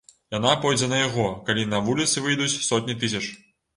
Яна пойдзе на яго, калі на вуліцы выйдуць сотні тысяч.